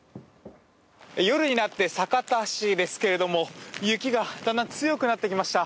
夜になって酒田市ですけれども雪がだんだん強くなってきました。